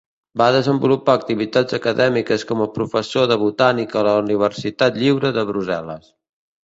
Va desenvolupar activitats acadèmiques com a professor de botànica a la Universitat Lliure de Brussel·les.